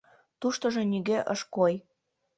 Туштыжо нигӧ ыш кой.